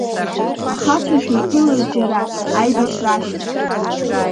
Ахацәа шәеиԥылоит џьара, аибашьра ашьҭахь.